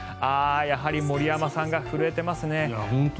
やはり森山さんが震えてますね。